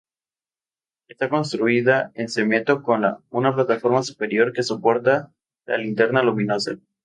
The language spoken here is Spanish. Está construida en cemento, con una plataforma superior que soporta la linterna luminosa.